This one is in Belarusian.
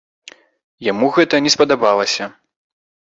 Яму гэта не спадабалася.